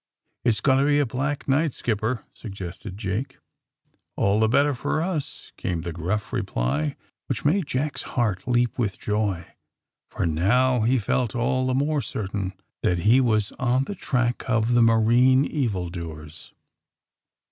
^'It's going to be a black nigbt, skipper," suggested Jake. ^*A11 tbe better for us," came tbe gruff re , ply, wbicb made Jack's beart leap witb joy, for now be felt all tbe more certain tbat be was on tbe track of tbe marine evil doers.